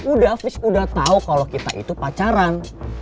udah fix udah tau kalau kita itu pacaran